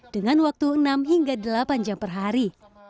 dengan waktu enam hingga delapan jam per hari